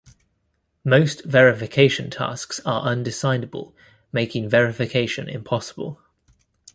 Most verification tasks are undecidable, making verification impossible.